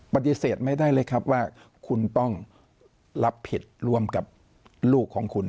ปฏิเสธไม่ได้เลยครับว่าคุณต้องรับผิดร่วมกับลูกของคุณ